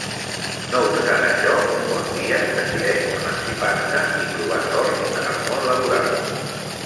No obstant això, un bon dia decideix emancipar-se i provar sort en el món laboral.